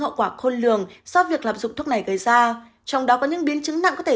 hậu quả khôn lường do việc lạm dụng thuốc này gây ra trong đó có những biến chứng nặng có thể